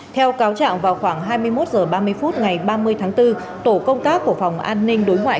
theo cáo trạng vào khoảng hai mươi một h ba mươi phút ngày ba mươi tháng bốn tổ công tác của phòng an ninh đối ngoại